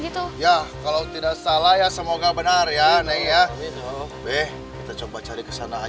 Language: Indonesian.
gak tau anak siapa disana